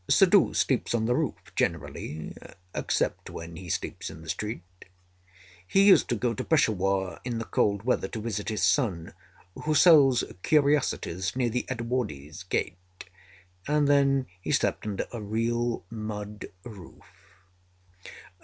Suddhoo sleeps on the roof generally, except when he sleeps in the street. He used to go to Peshawar in the cold weather to visit his son, who sells curiosities near the Edwardes' Gate, and then he slept under a real mud roof.